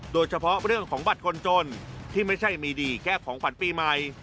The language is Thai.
โดยเฉพาะเรื่องของบัตรคนจนที่ไม่ใช่มีดีแค่ของขวัญปีใหม่